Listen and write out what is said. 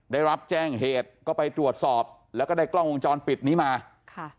ได้รับแจ้งเหตุก็ไปตรวจสอบแล้วก็ได้กล้องวงจรปิดนี้มาค่ะ